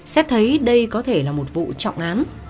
xét thấy đây có thể là một vụ trọng án